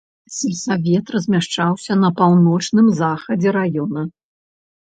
Сельсавет размяшчаўся на паўночным захадзе раёна.